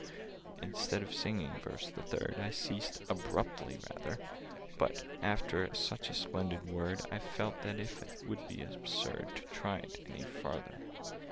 Instead of singing Verse the Third, I ceased—abruptly, rather: But, after such a splendid word I felt that it would be absurd To try it any farther.